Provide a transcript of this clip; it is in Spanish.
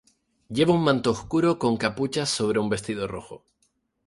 Lleva un manto oscuro con capucha sobre un vestido rojo.